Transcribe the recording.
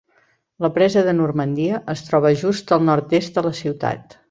La presa de Normandia es troba just al nord-est de la ciutat.